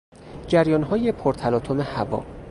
جریانهای پرتلاطم هوا